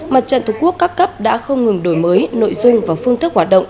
mặt trận tổ quốc các cấp đã không ngừng đổi mới nội dung và phương thức hoạt động